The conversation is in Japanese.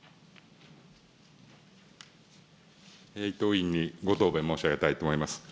伊藤委員にご答弁申し上げたいと思います。